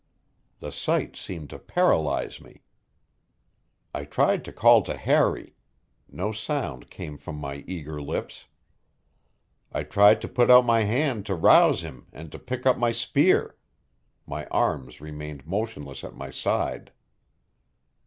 The sight seemed to paralyze me. I tried to call to Harry no sound came from my eager lips. I tried to put out my hand to rouse him and to pick up my spear; my arms remained motionless at my side.